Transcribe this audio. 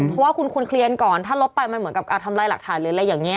เพราะว่าคุณเคลียร์ก่อนถ้าลบไปมันเหมือนกับทำลายหลักฐานหรืออะไรอย่างนี้